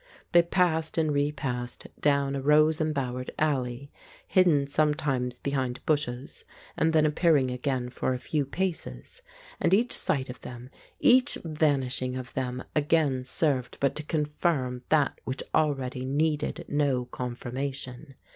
They passed and repassed down a rose embowered alley, hidden sometimes behind bushes and then ap pearing again for a few paces, and each sight of them, each vanishing of them again served but to confirm that which already needed no confirmation.